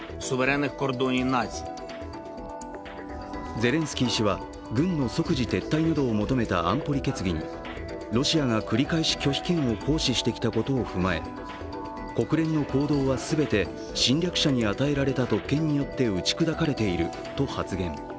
ゼレンスキー氏は軍の即時撤退などを求めた安保理決議にロシアが繰り返し拒否権を行使してきたことを踏まえ、国連の行動は全て侵略者に与えられた特権によって打ち砕かれていると発言。